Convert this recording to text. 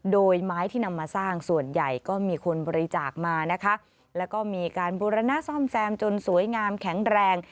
โดยไม้ที่นำมาสร้างส่วนใหญ่ก็มีคนบริจาคมานะคะแล้วก็มีการบูรณะซ่อมแซมจนสวยงามแข็งแรง